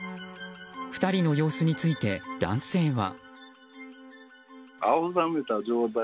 ２人の様子について男性は。